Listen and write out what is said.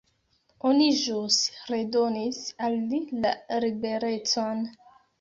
Oni ĵus redonis al li la liberecon.